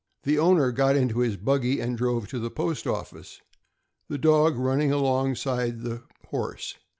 The owner got into his buggy and drove to the post office, the dog running alongside the horse.